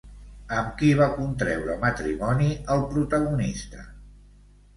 Amb qui va contreure matrimoni el protagonista?